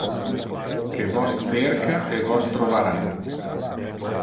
Que vos cerca, e vos trovara.